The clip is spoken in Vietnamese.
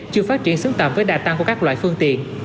chưa phát triển xứng tầm với đa tăng của các loại phương tiện